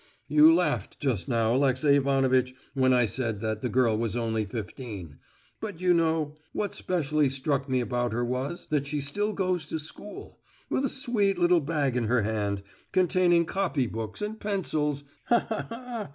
"You laughed just now, Alexey Ivanovitch, when I said that the girl was only fifteen; but, you know, what specially struck me about her was, that she still goes to school, with a sweet little bag in her hand, containing copy books and pencils. Ha ha ha!